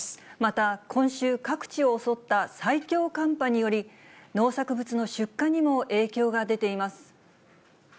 また今週、各地を襲った最強寒波により、農作物の出荷にも影響が出ています。